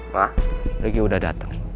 ma lagi udah dateng